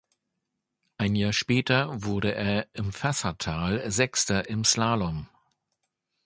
Ein Jahr später wurde er im Fassatal Sechster im Slalom.